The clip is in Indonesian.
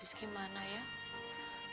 kalau nungguin bapakmu kita bisa coba